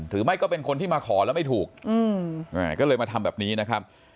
หรือไม่ก็เป็นคนที่มาขอแล้วไม่ถูกก็เลยมาทำแบบนี้นะครับ